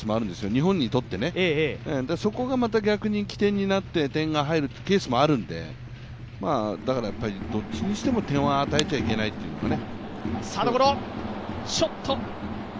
日本にとってね、そこがまた起点になって点が入るというケースもあるんで、どっちにしても点は与えちゃいけないというね。